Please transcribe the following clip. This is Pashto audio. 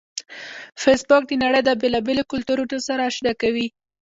فېسبوک د نړۍ د بیلابیلو کلتورونو سره آشنا کوي